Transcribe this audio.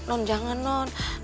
non jangan non